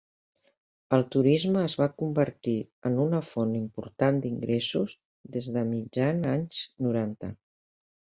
El turisme es va convertir en una font important d'ingressos des de mitjan anys noranta.